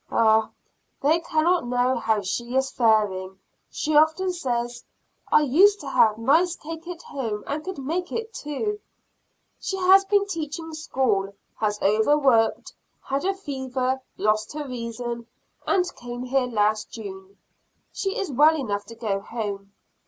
Ah, they cannot know how she is faring; she often says, "I used to have nice cake at home, and could make it, too." She has been teaching school, has over worked, had a fever, lost her reason, and came here last June. She is well enough to go home.